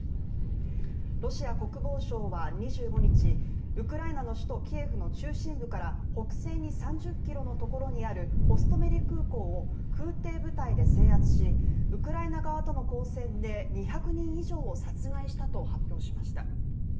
ロシア国防省は２５日ウクライナの首都キエフの中心部から北西に３０ｋｍのところにあるホストメリ空港を空てい部隊で制圧しウクライナ側との交戦で２００人以上を殺害したと発表しました。